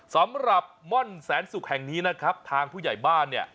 สำหรับม่อนแสนสุกแห่งนี้นะครับทางผู้ใหญ่บ้านเนี่ย